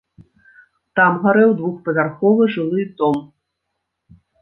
Там гарэў двухпавярховы жылы дом.